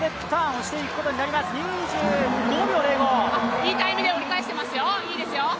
いいタイムで折り返してますよ、いいですよ。